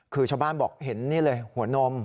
คือชาวบ้านบอกเห็นนี่เลยหัวนม